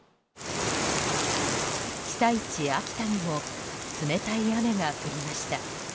被災地・秋田にも冷たい雨が降りました。